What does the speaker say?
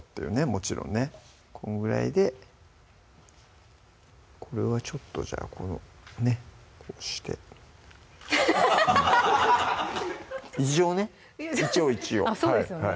もちろんねこのぐらいでこれはちょっとじゃあこうして一応ね一応一応そうですよね